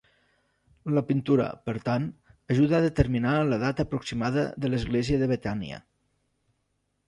La pintura, per tant, ajuda a determinar la data aproximada de l'església de Betània.